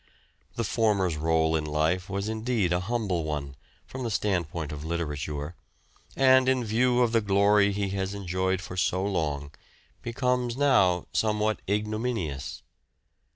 The former's role in life was indeed a humble one from the standpoint of literature, and, in view of the glory he has enjoyed for so long, becomes now somewhat ignominious.